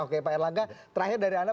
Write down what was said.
oke pak erlangga terakhir dari anda